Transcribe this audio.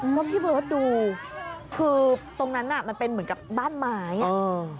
พี่เบิร์ดดูคือตรงนั้นมันเป็นเหมือนกับบ้านไม้